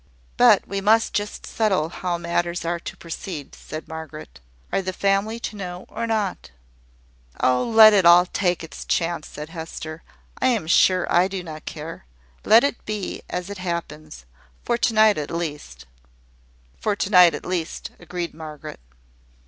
"But we must just settle how matters are to proceed," said Margaret. "Are the family to know or not?" "Oh, let all that take its chance!" said Hester. "I am sure I do not care. Let it be as it happens, for to night at least." "For to night at least," agreed Margaret.